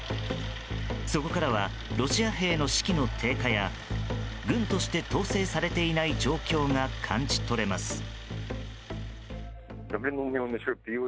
そこからはロシア兵の士気の低下や軍として統制されていない状況が感じ取れます。